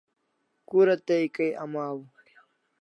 Kura tay kay amaw?